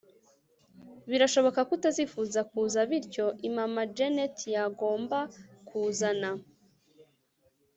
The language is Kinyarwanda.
birashoboka ko utazifuza kuza bityo immamma genet yagomba kuzana